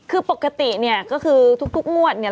คือปกติเนี่ยก็คือทุกงวดเนี่ย